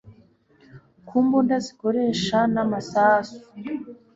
ku mbunda zikoresha na masasu